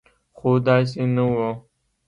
خو داسې نه و.